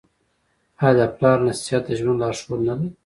آیا د پلار نصیحت د ژوند لارښود نه دی؟